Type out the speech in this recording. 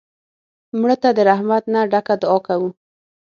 مړه ته د رحمت نه ډکه دعا کوو